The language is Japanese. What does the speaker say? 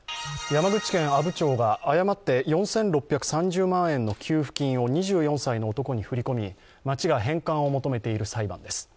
山口県阿武町が誤って４６３０万円の給付金を２４歳の男に振り込み町が返還を求めている裁判です。